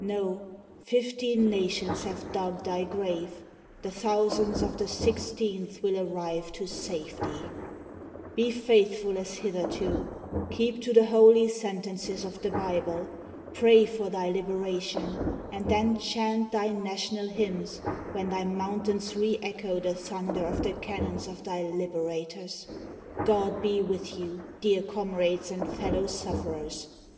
No, fifteen na tions have dug thy grave, the thousands of the sixteenth will arrive to save thee! Be faithful as hitherto, keep to the holy sentences of the Bible, pray for thy Hberation, and then chant thy na 368 KOSSUTH'S FAREWELL tional hymns when thy mountains reecho the thunder of the cannons of thy liberators! God be with you, dear comrades and fellow sufferers